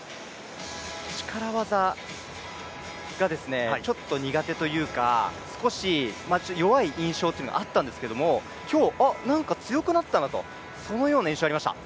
力技がちょっと苦手というか、少し弱い印象があったんですけど今日、なんか強くなったなとそのような印象ありました。